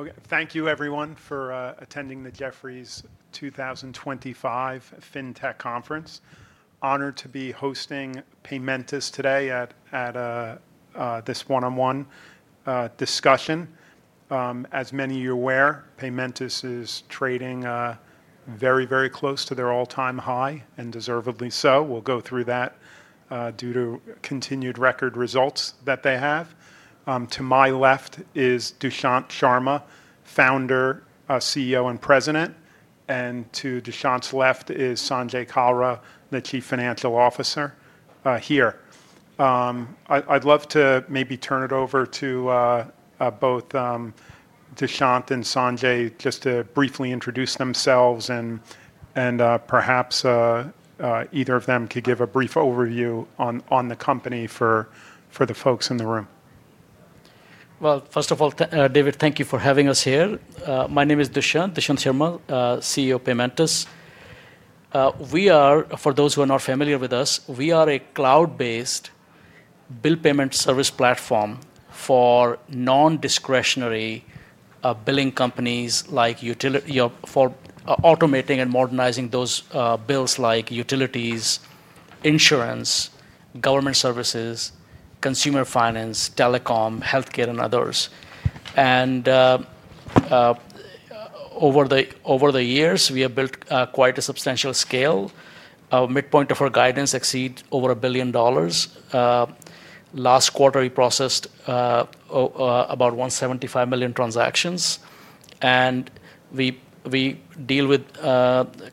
Okay, thank you everyone for attending the Jefferies 2025 FinTech Conference. Honored to be hosting Paymentus today at this one-on-one discussion. As many of you are aware, Paymentus is trading very, very close to their all-time high, and deservedly so. We'll go through that due to continued record results that they have. To my left is Dushyant Sharma, Founder, CEO, and President, and to Dushyant's left is Sanjay Kalra, the Chief Financial Officer here. I'd love to maybe turn it over to both Dushyant and Sanjay just to briefly introduce themselves, and perhaps either of them could give a brief overview on the company for the folks in the room. First of all, David, thank you for having us here. My name is Dushyant, Dushyant Sharma, CEO of Paymentus. We are, for those who are not familiar with us, a cloud-based bill payment service platform for non-discretionary billing companies like utilities, you know, for automating and modernizing those bills like utilities, insurance, government services, consumer finance, telecom, healthcare, and others. And over the years, we have built quite a substantial scale. Midpoint of our guidance exceeds over $1 billion. Last quarter, we processed about 175 million transactions. And we deal with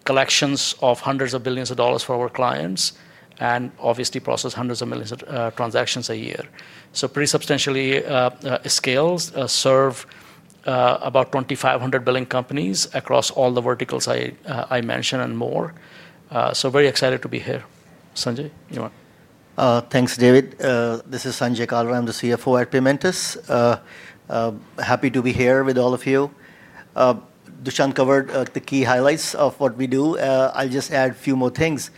collections of hundreds of billions of dollars for our clients, and obviously process hundreds of millions transactions a year. So pretty substantial scale, serving about 2,500 billers across all the verticals I mentioned and more. We are very excited to be here. Sanjay, you want— Thanks, David. This is Sanjay Kalra. I'm the CFO at Paymentus. Happy to be here with all of you. Dushyant covered the key highlights of what we do. I'll just add a few more things.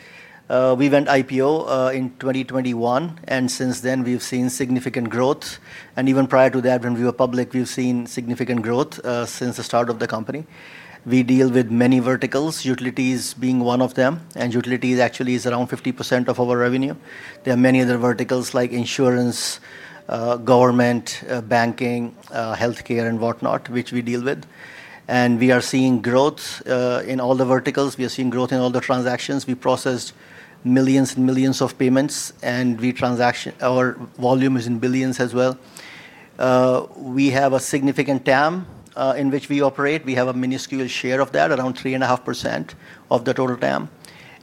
We went IPO in 2021, and since then, we've seen significant growth. And even prior to that, when we were public, we've seen significant growth since the start of the company. We deal with many verticals, utilities being one of them, and utilities actually is around 50% of our revenue. There are many other verticals like insurance, government, banking, healthcare, and whatnot, which we deal with. And we are seeing growth in all the verticals. We are seeing growth in all the transactions. We processed millions and millions of payments, and our transaction volume is in billions as well. We have a significant TAM in which we operate. We have a minuscule share of that, around 3.5% of the total TAM,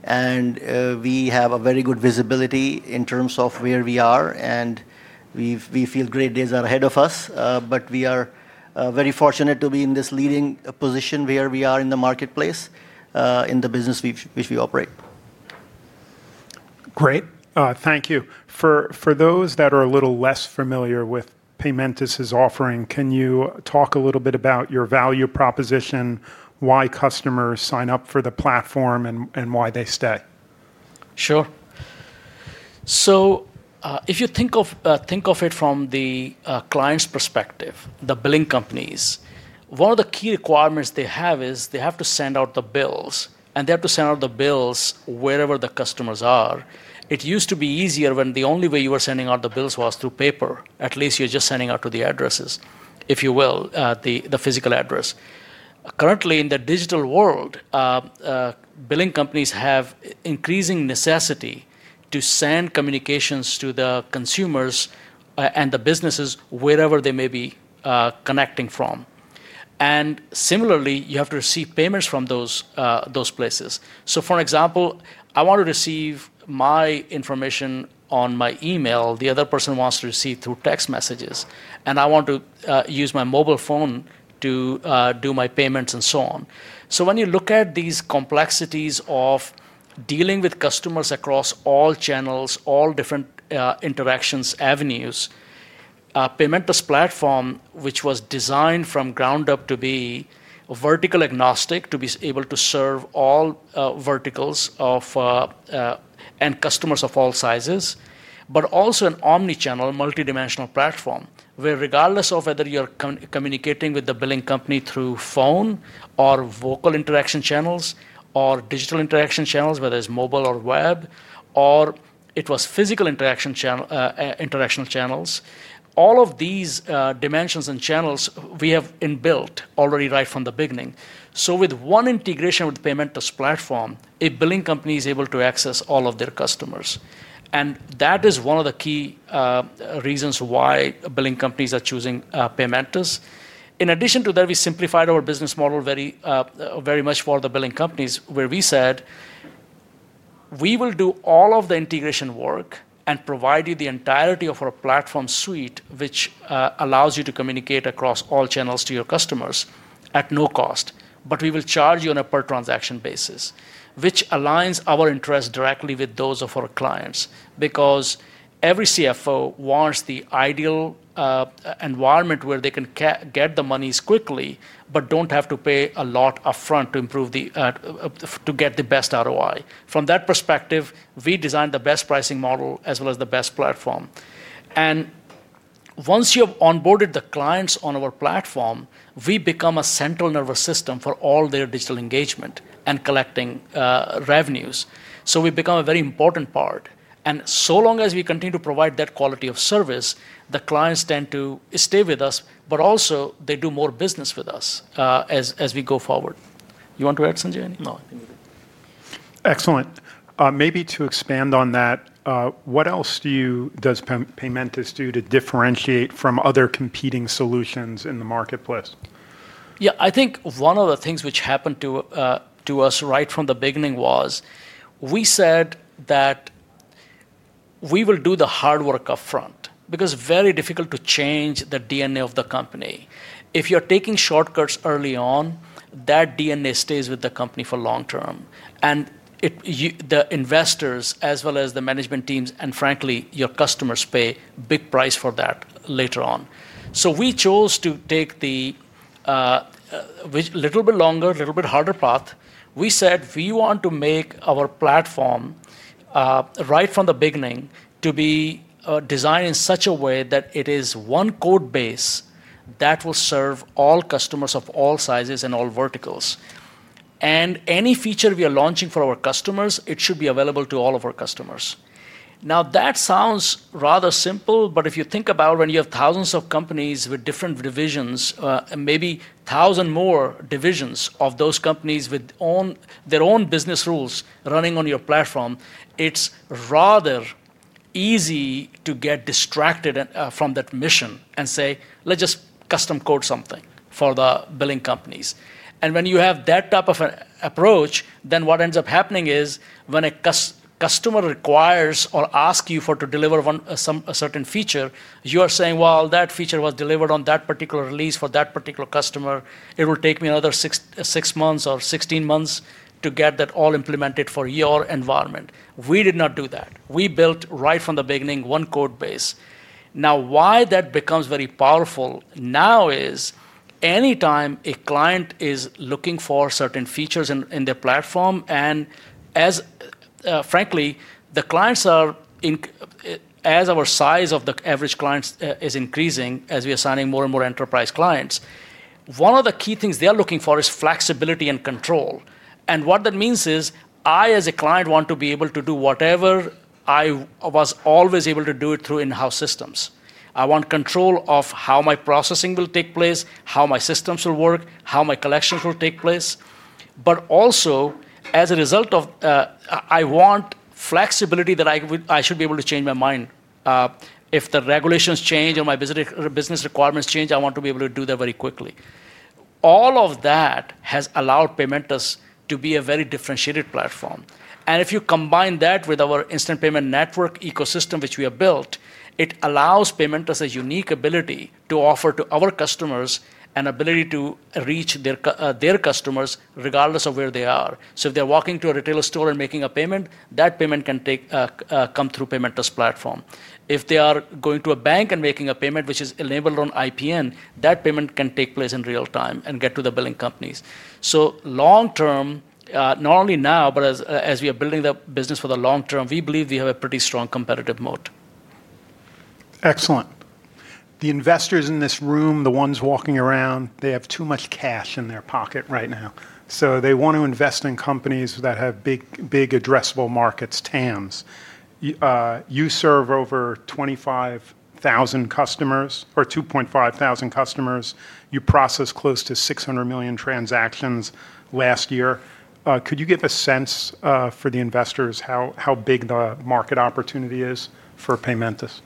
and we have a very good visibility in terms of where we are, and we feel great days are ahead of us, but we are very fortunate to be in this leading position where we are in the marketplace, in the business which we operate. Great. Thank you. For those that are a little less familiar with Paymentus' offering, can you talk a little bit about your value proposition, why customers sign up for the platform, and why they stay? Sure. So, if you think of it from the client's perspective, the billing companies, one of the key requirements they have is they have to send out the bills, and they have to send out the bills wherever the customers are. It used to be easier when the only way you were sending out the bills was through paper. At least you're just sending out to the addresses, if you will, the physical address. Currently, in the digital world, billing companies have increasing necessity to send communications to the consumers, and the businesses wherever they may be, connecting from. And similarly, you have to receive payments from those places. So, for example, I want to receive my information on my email. The other person wants to receive through text messages, and I want to use my mobile phone to do my payments and so on. So when you look at these complexities of dealing with customers across all channels, all different interactions, avenues, Paymentus' platform, which was designed from the ground up to be vertically agnostic, to be able to serve all verticals and customers of all sizes, but also an omnichannel multidimensional platform where regardless of whether you're communicating with the billing company through phone or vocal interaction channels or digital interaction channels, whether it's mobile or web, or it's physical interaction channels, all of these dimensions and channels we have inbuilt already right from the beginning. With one integration with Paymentus' platform, a billing company is able to access all of their customers. That is one of the key reasons why billing companies are choosing Paymentus. In addition to that, we simplified our business model very, very much for the billing companies where we said, "We will do all of the integration work and provide you the entirety of our platform suite, which allows you to communicate across all channels to your customers at no cost, but we will charge you on a per transaction basis," which aligns our interest directly with those of our clients because every CFO wants the ideal environment where they can get the monies quickly but don't have to pay a lot upfront to improve, to get the best ROI. From that perspective, we designed the best pricing model as well as the best platform, and once you have onboarded the clients on our platform, we become a central nervous system for all their digital engagement and collecting revenues, so we become a very important part. And so long as we continue to provide that quality of service, the clients tend to stay with us, but also they do more business with us as we go forward. You want to add, Sanjay? No. Excellent. Maybe to expand on that, what else do you do to differentiate from other competing solutions in the marketplace? Yeah, I think one of the things which happened to us right from the beginning was we said that we will do the hard work upfront because it's very difficult to change the DNA of the company. If you're taking shortcuts early on, that DNA stays with the company for long term. And it, you, the investors, as well as the management teams, and frankly, your customers pay a big price for that later on. So we chose to take the, which little bit longer, little bit harder path. We said we want to make our platform, right from the beginning to be, designed in such a way that it is one code base that will serve all customers of all sizes and all verticals. And any feature we are launching for our customers, it should be available to all of our customers. Now, that sounds rather simple, but if you think about when you have thousands of companies with different divisions, maybe thousands more divisions of those companies with their own business rules running on your platform, it's rather easy to get distracted and stray from that mission and say, "Let's just custom code something for the billing companies," and when you have that type of an approach, then what ends up happening is when a customer requires or asks you to deliver a certain feature, you are saying, "Well, that feature was delivered on that particular release for that particular customer. It will take me another six months or 16 months to get that all implemented for your environment." We did not do that. We built right from the beginning one code base. Now, why that becomes very powerful now is anytime a client is looking for certain features in their platform, and as frankly our average client size is increasing as we are signing more and more enterprise clients, one of the key things they are looking for is flexibility and control. And what that means is I, as a client, want to be able to do whatever I was always able to do through in-house systems. I want control of how my processing will take place, how my systems will work, how my collections will take place. But also, I want flexibility that I should be able to change my mind, if the regulations change or my business requirements change. I want to be able to do that very quickly. All of that has allowed Paymentus to be a very differentiated platform. And if you combine that with our instant payment network ecosystem, which we have built, it allows Paymentus a unique ability to offer to our customers an ability to reach their customers regardless of where they are. So if they're walking to a retailer store and making a payment, that payment can come through Paymentus' platform. If they are going to a bank and making a payment, which is enabled on IPN, that payment can take place in real time and get to the billing companies. So long term, not only now, but as we are building the business for the long term, we believe we have a pretty strong competitive moat. Excellent. The investors in this room, the ones walking around, they have too much cash in their pocket right now. So they want to invest in companies that have big, big addressable markets, TAMs. You, you serve over 25,000 customers or 2500 customers. You processed close to 600 million transactions last year. Could you give a sense, for the investors how, how big the market opportunity is for Paymentus?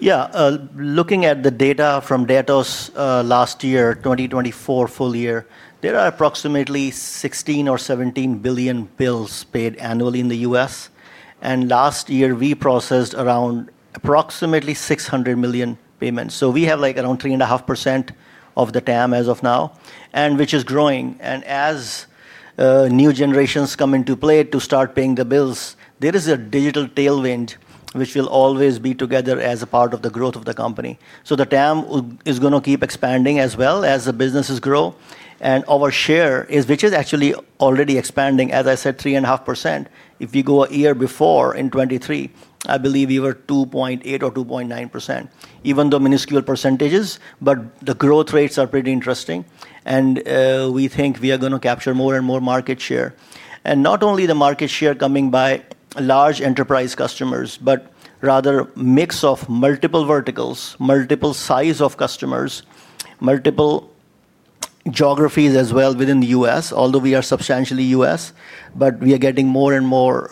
Yeah. Looking at the data from Datos, last year, 2024 full year, there are approximately 16 or 17 billion bills paid annually in the U.S. And last year, we processed around approximately 600 million payments. So we have like around 3.5% of the TAM as of now, and which is growing. And as new generations come into play to start paying the bills, there is a digital tailwind which will always be together as a part of the growth of the company. So the TAM is gonna keep expanding as well as the businesses grow. And our share is, which is actually already expanding, as I said, 3.5%. If you go a year before in 2023, I believe we were 2.8 or 2.9%, even though minuscule percentages, but the growth rates are pretty interesting. And we think we are gonna capture more and more market share. And not only the market share coming by large enterprise customers, but rather mix of multiple verticals, multiple size of customers, multiple geographies as well within the U.S., although we are substantially U.S., but we are getting more and more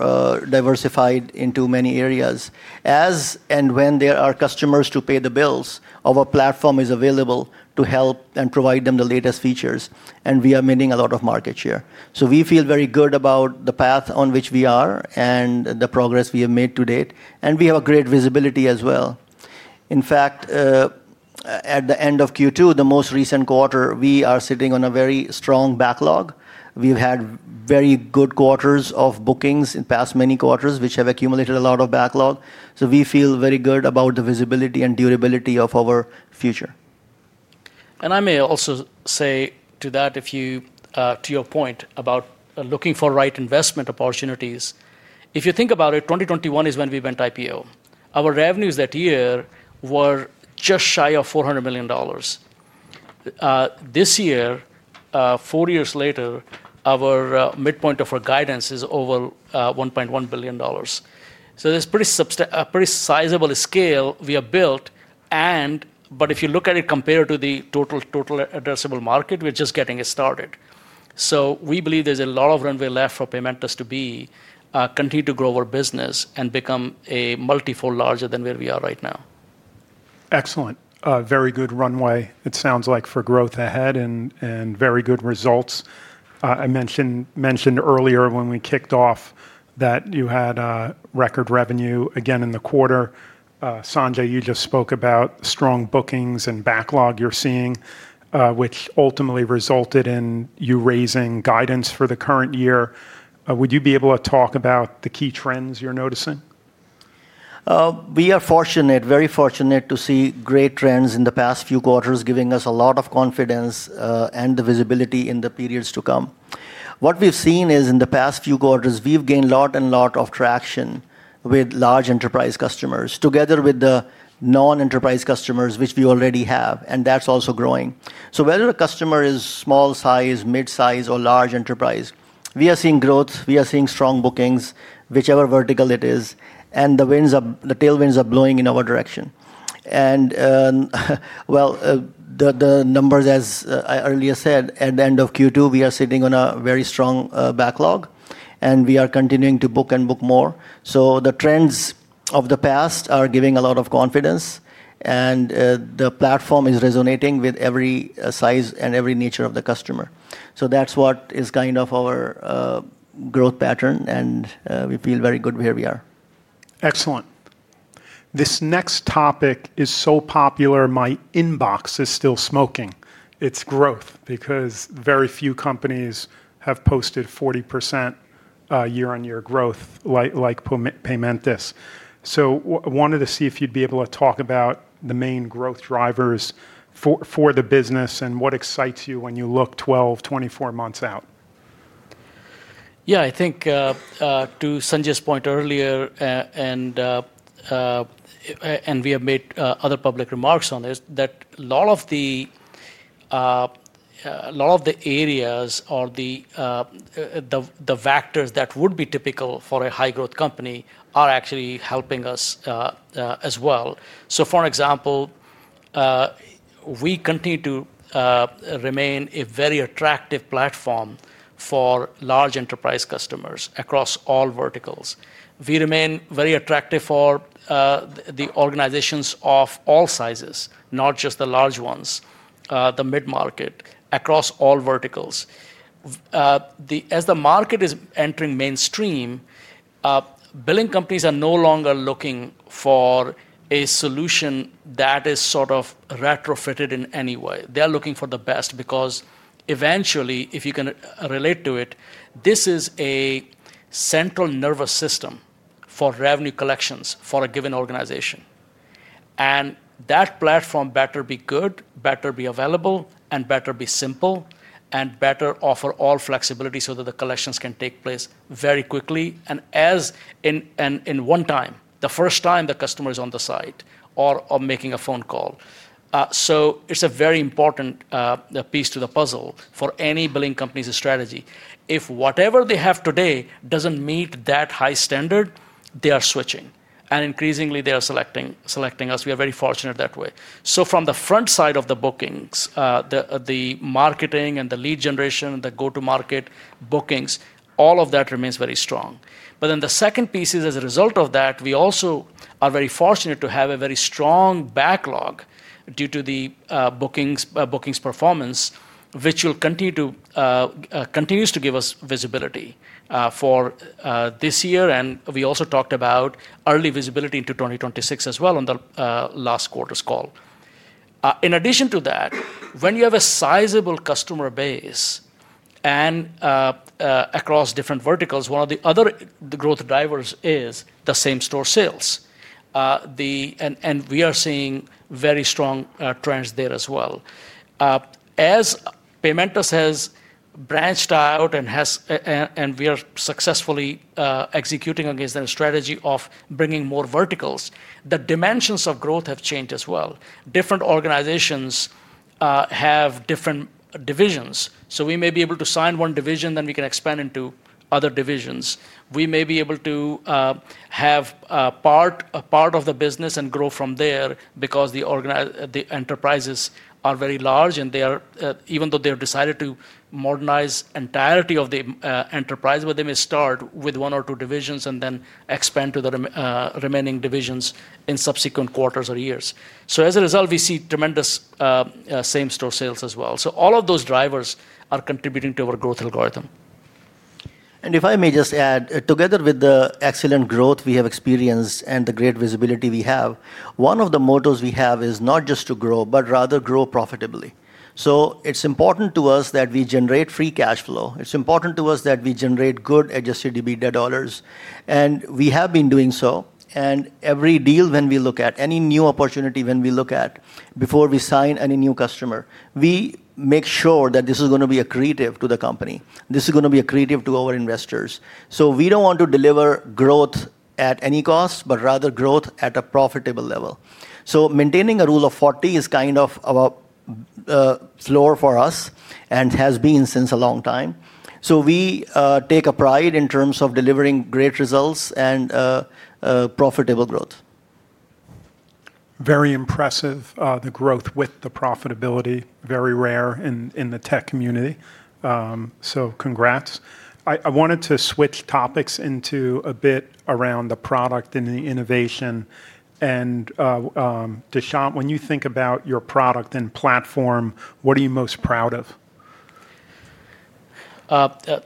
diversified into many areas as and when there are customers to pay the bills. Of a platform is available to help and provide them the latest features. And we are meeting a lot of market share, so we feel very good about the path on which we are and the progress we have made to date, and we have a great visibility as well. In fact, at the end of Q2, the most recent quarter, we are sitting on a very strong backlog. We've had very good quarters of bookings in past many quarters, which have accumulated a lot of backlog. We feel very good about the visibility and durability of our future. And I may also say to that, if you to your point about looking for right investment opportunities, if you think about it, 2021 is when we went IPO. Our revenues that year were just shy of $400 million. This year, four years later, our midpoint of our guidance is over $1.1 billion. So there's pretty sizable scale we have built. But if you look at it compared to the total addressable market, we're just getting it started. So we believe there's a lot of runway left for Paymentus to continue to grow our business and become a multi-fold larger than where we are right now. Excellent. Very good runway, it sounds like, for growth ahead and very good results. I mentioned earlier when we kicked off that you had record revenue again in the quarter. Sanjay, you just spoke about strong bookings and backlog you're seeing, which ultimately resulted in you raising guidance for the current year. Would you be able to talk about the key trends you're noticing? We are fortunate, very fortunate to see great trends in the past few quarters, giving us a lot of confidence, and the visibility in the periods to come. What we've seen is in the past few quarters, we've gained a lot of traction with large enterprise customers together with the non-enterprise customers, which we already have, and that's also growing. Whether a customer is small size, mid-size, or large enterprise, we are seeing growth, we are seeing strong bookings, whichever vertical it is, and the tailwinds are blowing in our direction. The numbers, as I earlier said, at the end of Q2, we are sitting on a very strong backlog, and we are continuing to book more. So the trends of the past are giving a lot of confidence, and the platform is resonating with every size and every nature of the customer. So that's what is kind of our growth pattern, and we feel very good where we are. Excellent. This next topic is so popular, my inbox is still smoking. It's growth because very few companies have posted 40% year-on-year growth like Paymentus. So wanted to see if you'd be able to talk about the main growth drivers for the business and what excites you when you look 12-24 months out. Yeah, I think, to Sanjay's point earlier, and we have made other public remarks on this, that a lot of the areas or the vectors that would be typical for a high-growth company are actually helping us, as well. So, for example, we continue to remain a very attractive platform for large enterprise customers across all verticals. We remain very attractive for the organizations of all sizes, not just the large ones, the mid-market across all verticals. As the market is entering mainstream, billing companies are no longer looking for a solution that is sort of retrofitted in any way. They are looking for the best because eventually, if you can relate to it, this is a central nervous system for revenue collections for a given organization. And that platform better be good, better be available, and better be simple and better offer all flexibility so that the collections can take place very quickly and in one time, the first time the customer is on the site or making a phone call. So it's a very important piece to the puzzle for any billing company's strategy. If whatever they have today doesn't meet that high standard, they are switching. And increasingly, they are selecting us. We are very fortunate that way. So from the front side of the bookings, the marketing and the lead generation, the go-to-market bookings, all of that remains very strong. But then the second piece is, as a result of that, we also are very fortunate to have a very strong backlog due to the bookings performance, which continues to give us visibility for this year. And we also talked about early visibility into 2026 as well on the last quarter's call. In addition to that, when you have a sizable customer base across different verticals, one of the other growth drivers is the same store sales. And we are seeing very strong trends there as well. As Paymentus has branched out and we are successfully executing against that strategy of bringing more verticals, the dimensions of growth have changed as well. Different organizations have different divisions. So we may be able to sign one division, then we can expand into other divisions. We may be able to have a part of the business and grow from there because the organizations, the enterprises are very large and they are even though they have decided to modernize the entirety of the enterprise, but they may start with one or two divisions and then expand to the remaining divisions in subsequent quarters or years, so as a result, we see tremendous same store sales as well, so all of those drivers are contributing to our growth algorithm. If I may just add, together with the excellent growth we have experienced and the great visibility we have, one of the mottos we have is not just to grow, but rather grow profitably. So it's important to us that we generate free cash flow. It's important to us that we generate good Adjusted EBITDA dollars. We have been doing so. Every deal we look at, any new opportunity we look at, before we sign any new customer, we make sure that this is gonna be accretive to the company. This is gonna be accretive to our investors. So we don't want to deliver growth at any cost, but rather growth at a profitable level. So maintaining a Rule of 40 is kind of a core value for us and has been for a long time. We take pride in terms of delivering great results and profitable growth. Very impressive. The growth with the profitability, very rare in the tech community, so congrats. I wanted to switch topics into a bit around the product and the innovation, and Dushyant, when you think about your product and platform, what are you most proud of?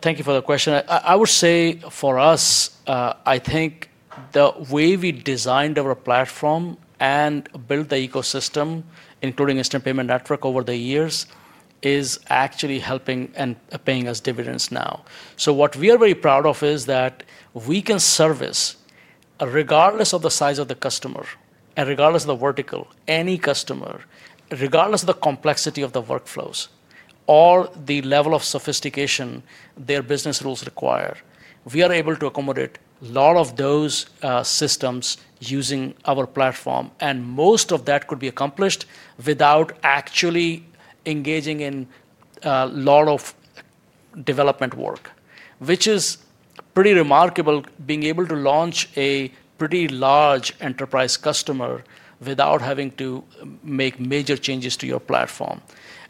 Thank you for the question. I would say for us, I think the way we designed our platform and built the ecosystem, including Instant Payment Network over the years, is actually helping and paying us dividends now. What we are very proud of is that we can service regardless of the size of the customer and regardless of the vertical, any customer, regardless of the complexity of the workflows or the level of sophistication their business rules require, we are able to accommodate a lot of those systems using our platform. Most of that could be accomplished without actually engaging in a lot of development work, which is pretty remarkable, being able to launch a pretty large enterprise customer without having to make major changes to your platform.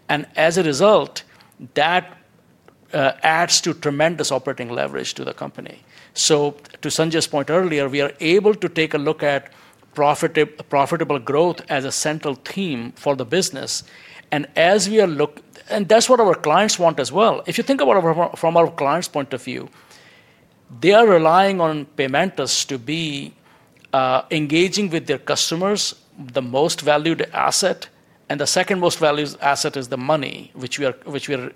As a result, that adds to tremendous operating leverage to the company. So to Sanjay's point earlier, we are able to take a look at profitable, profitable growth as a central theme for the business. And as we are looking, and that's what our clients want as well. If you think about from our clients' point of view, they are relying on Paymentus to be engaging with their customers, the most valued asset, and the second most valued asset is the money, which we are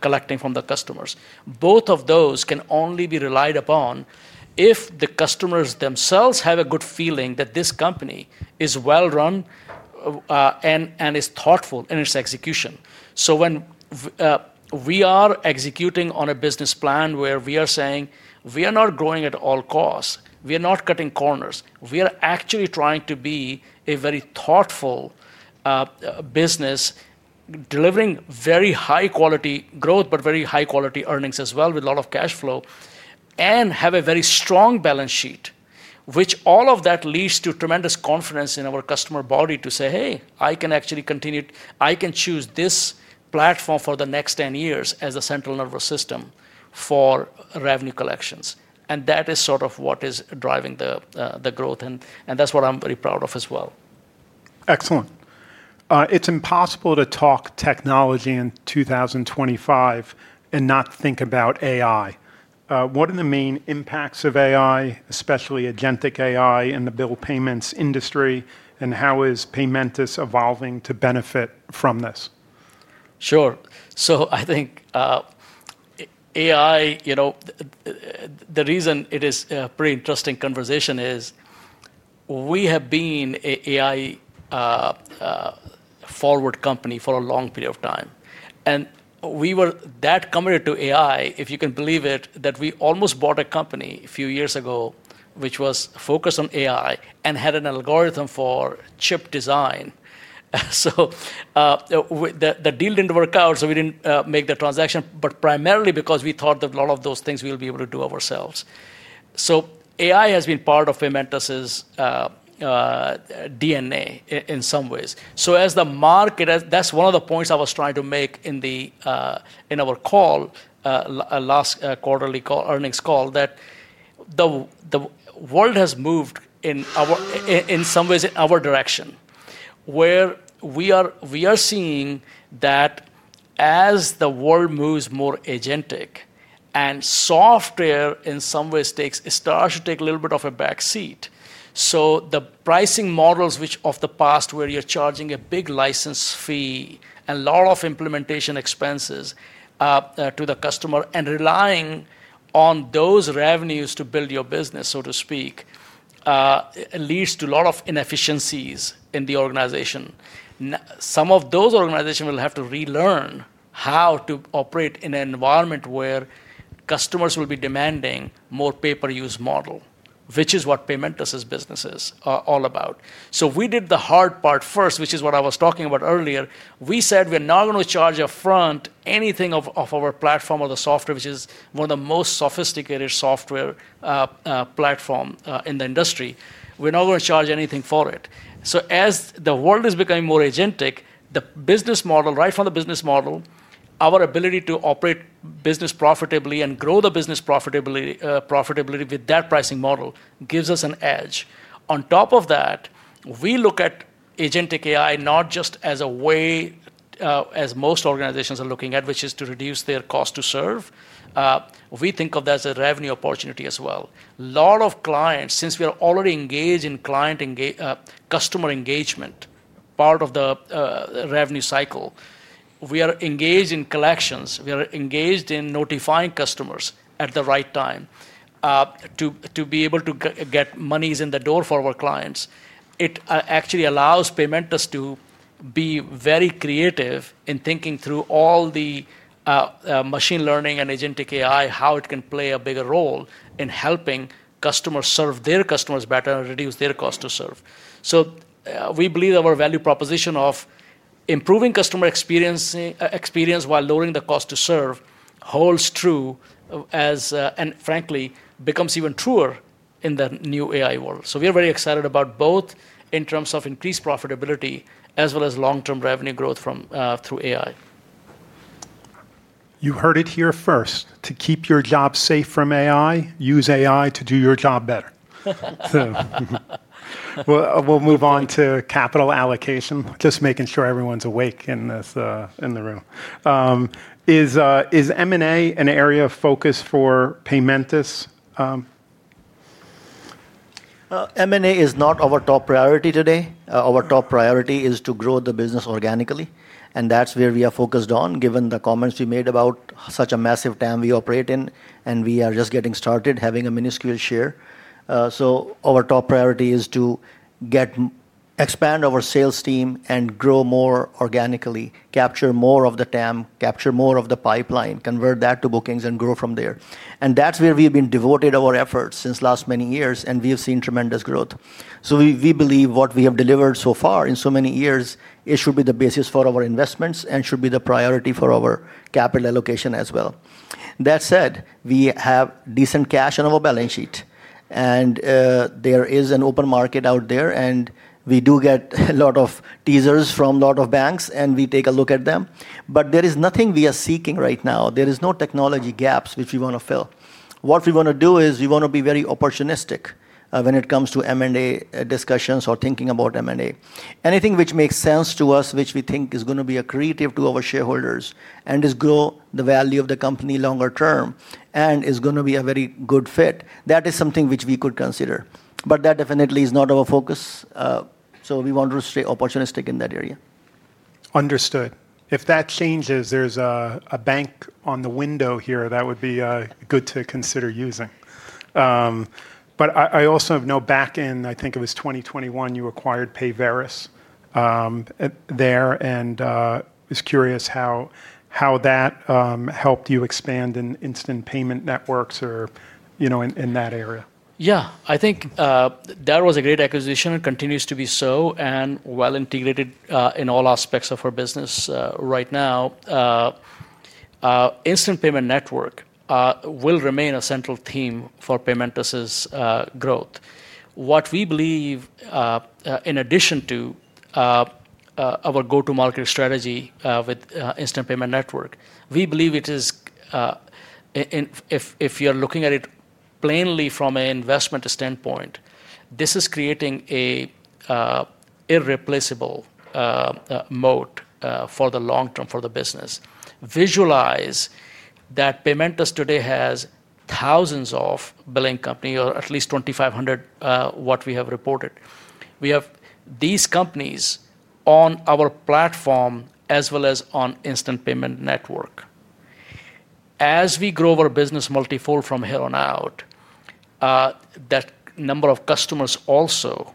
collecting from the customers. Both of those can only be relied upon if the customers themselves have a good feeling that this company is well-run, and is thoughtful in its execution. So when we are executing on a business plan where we are saying we are not growing at all costs, we are not cutting corners, we are actually trying to be a very thoughtful business, delivering very high-quality growth, but very high-quality earnings as well with a lot of cash flow, and have a very strong balance sheet, which all of that leads to tremendous confidence in our customer body to say, "Hey, I can actually continue, I can choose this platform for the next 10 years as a central nervous system for revenue collections." And that is sort of what is driving the growth. And that's what I'm very proud of as well. Excellent. It's impossible to talk technology in 2025 and not think about AI. What are the main impacts of AI, especially agentic AI in the bill payments industry, and how is Paymentus evolving to benefit from this? Sure. So I think, AI, you know, the reason it is a pretty interesting conversation is we have been an AI-forward company for a long period of time. And we were that committed to AI, if you can believe it, that we almost bought a company a few years ago, which was focused on AI and had an algorithm for chip design. So, the deal didn't work out, so we didn't make the transaction, but primarily because we thought that a lot of those things we'll be able to do ourselves. So AI has been part of Paymentus's DNA in some ways. As the market, that's one of the points I was trying to make in our last quarterly earnings call, that the world has moved in our direction in some ways where we are seeing that as the world moves more agentic and software in some ways starts to take a little bit of a backseat. The pricing models which in the past where you're charging a big license fee and a lot of implementation expenses to the customer and relying on those revenues to build your business, so to speak, leads to a lot of inefficiencies in the organization. Now, some of those organizations will have to relearn how to operate in an environment where customers will be demanding more pay-per-use model, which is what Paymentus' business is all about. So we did the hard part first, which is what I was talking about earlier. We said we are not gonna charge upfront anything of our platform or the software, which is one of the most sophisticated software platform in the industry. We're not gonna charge anything for it. So as the world is becoming more agentic, the business model right from the business model, our ability to operate business profitably and grow the business profitability with that pricing model gives us an edge. On top of that, we look at agentic AI not just as a way as most organizations are looking at, which is to reduce their cost to serve. We think of that as a revenue opportunity as well. A lot of clients, since we are already engaged in customer engagement, part of the revenue cycle, we are engaged in collections. We are engaged in notifying customers at the right time, to be able to get monies in the door for our clients. It actually allows Paymentus to be very creative in thinking through all the machine learning and agentic AI, how it can play a bigger role in helping customers serve their customers better and reduce their cost to serve. So, we believe our value proposition of improving customer experience while lowering the cost to serve holds true as, and frankly, becomes even truer in the new AI world. So we are very excited about both in terms of increased profitability as well as long-term revenue growth from, through AI. You heard it here first. To keep your job safe from AI, use AI to do your job better. We'll move on to capital allocation, just making sure everyone's awake in the room. Is M&A an area of focus for Paymentus? M&A is not our top priority today. Our top priority is to grow the business organically. That's where we are focused on, given the comments we made about such a massive TAM we operate in, and we are just getting started having a minuscule share. Our top priority is to expand our sales team and grow more organically, capture more of the TAM, capture more of the pipeline, convert that to bookings, and grow from there. That's where we have been devoted our efforts since last many years, and we have seen tremendous growth. We believe what we have delivered so far in so many years, it should be the basis for our investments and should be the priority for our capital allocation as well. That said, we have decent cash on our balance sheet, and there is an open market out there, and we do get a lot of teasers from a lot of banks, and we take a look at them. But there is nothing we are seeking right now. There is no technology gaps which we wanna fill. What we wanna do is we wanna be very opportunistic, when it comes to M&A discussions or thinking about M&A. Anything which makes sense to us, which we think is gonna be accretive to our shareholders and is grow the value of the company longer term and is gonna be a very good fit, that is something which we could consider. But that definitely is not our focus, so we want to stay opportunistic in that area. Understood. If that changes, there's a bank on the window here that would be good to consider using. But I also noted back in, I think it was 2021, you acquired Payveris there, and was curious how that helped you expand in instant payment networks or, you know, in that area. Yeah, I think that was a great acquisition and continues to be so and well integrated in all aspects of our business right now. Instant Payment Network will remain a central theme for Paymentus's growth. What we believe, in addition to our go-to-market strategy with Instant Payment Network, we believe it is in if you're looking at it plainly from an investment standpoint, this is creating a irreplaceable moat for the long term for the business. Visualize that Paymentus today has thousands of billing companies or at least 2,500 what we have reported. We have these companies on our platform as well as on Instant Payment Network. As we grow our business multi-fold from here on out, that number of customers also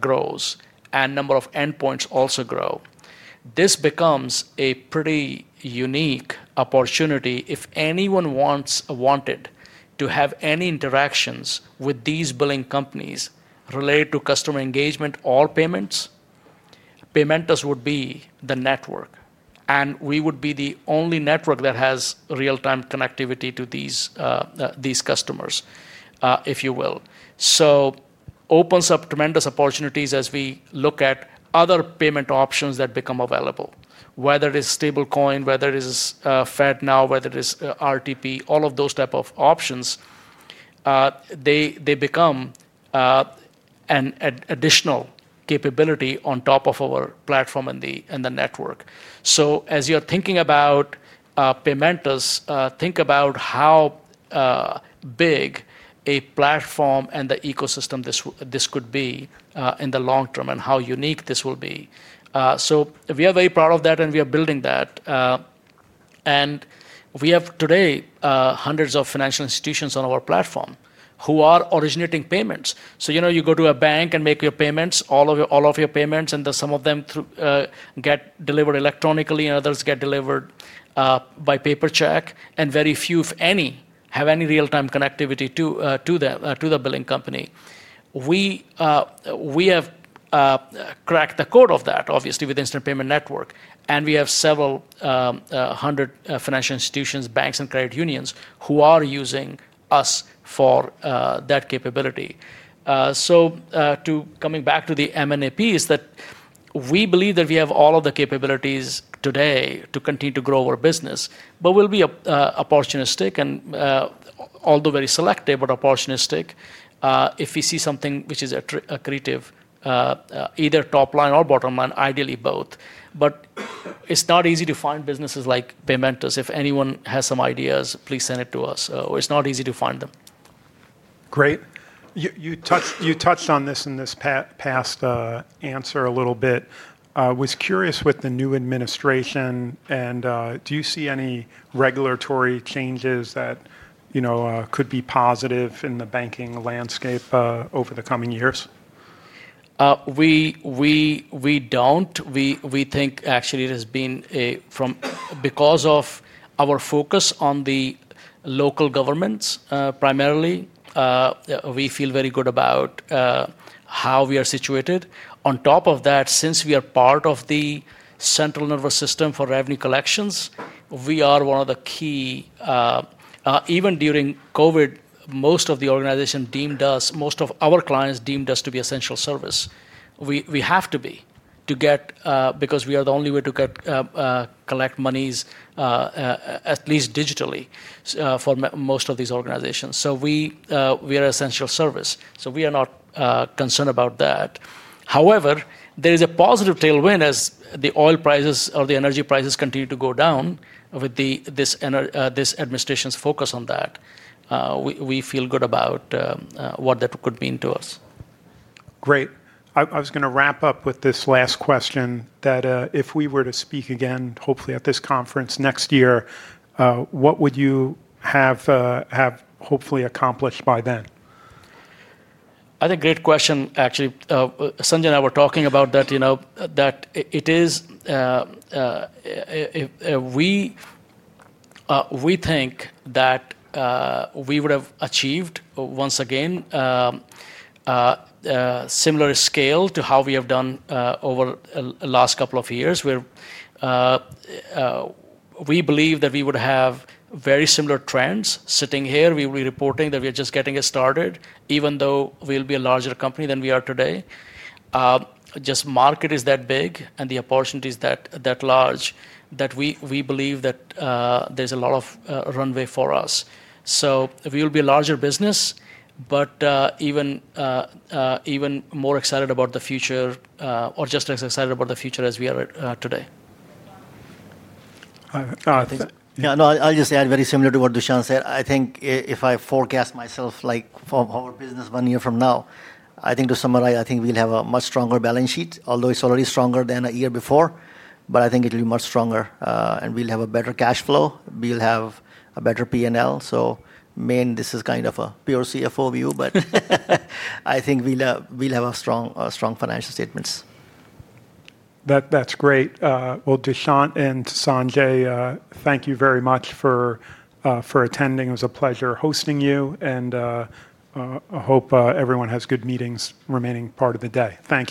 grows and number of endpoints also grow. This becomes a pretty unique opportunity. If anyone wants to have any interactions with these billing companies related to customer engagement or payments, Paymentus would be the network, and we would be the only network that has real-time connectivity to these customers, if you will. So it opens up tremendous opportunities as we look at other payment options that become available, whether it is stablecoin, whether it is FedNow, whether it is RTP, all of those types of options. They become an additional capability on top of our platform and the network. So as you're thinking about Paymentus, think about how big a platform and the ecosystem this could be in the long term and how unique this will be. We are very proud of that and we are building that. We have today hundreds of financial institutions on our platform who are originating payments. So, you know, you go to a bank and make your payments, all of your payments, and then some of them get delivered electronically and others get delivered by paper check, and very few, if any, have any real-time connectivity to the billing company. We have cracked the code of that, obviously, with Instant Payment Network, and we have several hundred financial institutions, banks, and credit unions who are using us for that capability. Coming back to the M&A piece, we believe that we have all of the capabilities today to continue to grow our business, but we'll be opportunistic and, although very selective, opportunistic, if we see something which is a creative, either top line or bottom line, ideally both. But it's not easy to find businesses like Paymentus. If anyone has some ideas, please send it to us. It's not easy to find them. Great. You touched on this in this past answer a little bit. Was curious with the new administration and do you see any regulatory changes that, you know, could be positive in the banking landscape over the coming years? We don't. We think actually, because of our focus on the local governments, primarily, we feel very good about how we are situated. On top of that, since we are part of the central nervous system for revenue collections, we are one of the key, even during COVID, most of our clients deemed us to be essential service. We have to be, because we are the only way to collect monies, at least digitally, for most of these organizations. So we are essential service. So we are not concerned about that. However, there is a positive tailwind as the oil prices or the energy prices continue to go down with this administration's focus on that. We feel good about what that could mean to us. Great. I was gonna wrap up with this last question that, if we were to speak again, hopefully at this conference next year, what would you have hopefully accomplished by then? I think great question, actually. Sanjay and I were talking about that, you know, that it is. We think that we would have achieved once again similar scale to how we have done over the last couple of years, where we believe that we would have very similar trends sitting here. We will be reporting that we are just getting it started, even though we'll be a larger company than we are today. The market is that big and the opportunity is that large that we believe that there's a lot of runway for us. So we'll be a larger business, but even more excited about the future, or just as excited about the future as we are today. I think, yeah, no, I'll just add very similar to what Dushyant said. I think if I forecast myself, like for our business one year from now, I think to summarize, I think we'll have a much stronger balance sheet, although it's already stronger than a year before, but I think it'll be much stronger, and we'll have a better cash flow. We'll have a better P&L. So, mainly, this is kind of a pure CFO view, but I think we'll, we'll have a strong, strong financial statements. That, that's great. Well, Dushyant and Sanjay, thank you very much for attending. It was a pleasure hosting you and, I hope, everyone has good meetings remaining part of the day. Thank you.